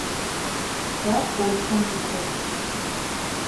Сэ Полъшэм сыщыщщ.